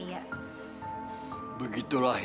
liat terus lo omongan kakek